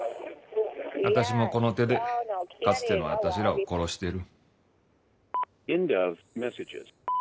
あたしもこの手でかつてのあたしらを殺してる。